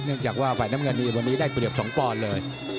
เนื่องจากว่าฝ่ายน้ำเงินนี้บันนี้ได้เปรียบ๒ป้อนเลย